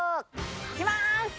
行きます！